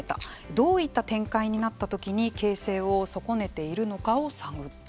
どういった展開になったときに形勢を損ねているのかを探った。